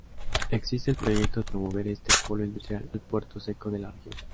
Existe el proyecto de promover este polo industrial al puerto seco de la región.